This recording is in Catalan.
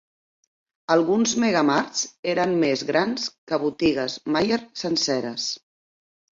Alguns Megamarts eren més grans que botigues Myer senceres.